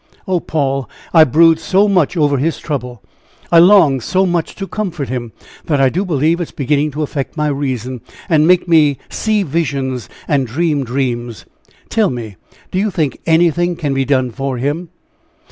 Oh, Paul! I brood so much over his trouble! I long so much to comfort him, that I do believe it is beginning to affect my reason, and make me 'see visions and dream dreams.' Tell me do you think anything can be done for him?"